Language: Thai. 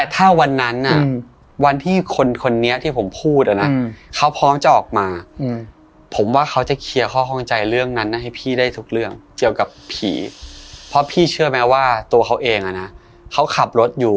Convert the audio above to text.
แต่จากเอ็กซเมนมีหลายคนนะครับ